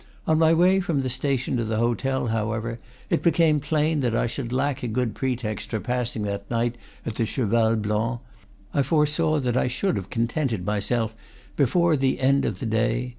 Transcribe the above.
On my way from the station to the hotel, however, it became plain that I should lack a good pretext for passing that night at the Cheval Blanc; I foresaw that I should have con tented myself before th e end of the day.